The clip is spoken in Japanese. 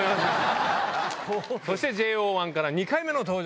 そしてＪＯ１から２回目の登場